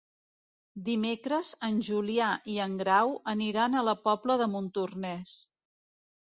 Dimecres en Julià i en Grau aniran a la Pobla de Montornès.